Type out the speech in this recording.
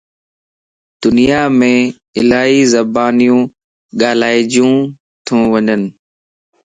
دنيا مَ الائي زبانيون ڳالھائيجھنتيون